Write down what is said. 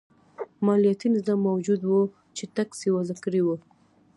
مالیاتي نظام موجود و چې ټکس یې وضعه کړی و.